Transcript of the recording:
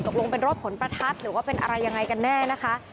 ตกลงเป็นรถขนประทัดหรือว่าเป็นอะไรยังไงกันแน่นะคะ